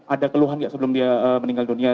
ada keluhan nggak sebelum dia meninggal dunia